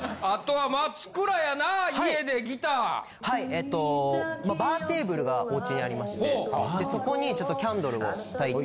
はいえっとバーテーブルがおうちにありましてそこにキャンドルをたいて。